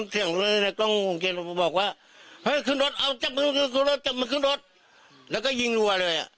ขึ้นรถบอกว่าเฮ้ยขึ้นรถเอาจับมันขึ้นรถจับมันขึ้นรถแล้วก็ยิงรัวเลย